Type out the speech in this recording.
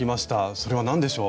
それは何でしょう。